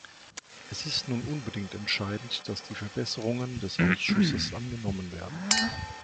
Es ist nun unbedingt entscheidend, dass die Verbesserungen des Ausschusses angenommen werden.